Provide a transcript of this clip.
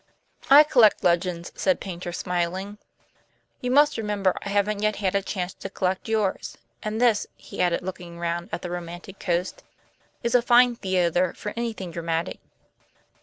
"I collect legends," said Paynter, smiling. "You must remember I haven't yet had a chance to collect yours. And this," he added, looking round at the romantic coast, "is a fine theater for anything dramatic."